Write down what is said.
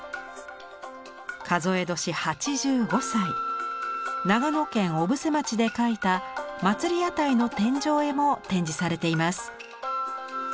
数え年８５歳長野県小布施町で描いた祭屋台の天井絵も展示されています。